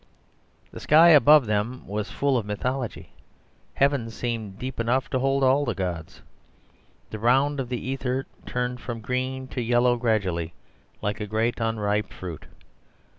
The sky above them was full of mythology. Heaven seemed deep enough to hold all the gods. The round of the ether turned from green to yellow gradually like a great unripe fruit.